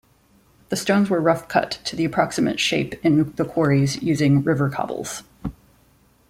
The stones were rough-cut to the approximate shape in the quarries using river cobbles.